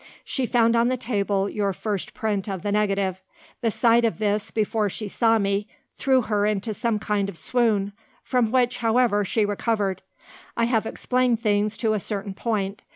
"She found on the table your first print of the negative. The sight of this before she saw me threw her into some kind of swoon, from which, however, she recovered. "I have explained things to a certain point.